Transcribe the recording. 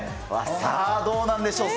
さあどうなんでしょう？